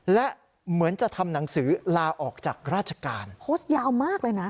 และเหมือนจะทำหนังสือลาออกจากราชการโพสต์ยาวมากเลยนะ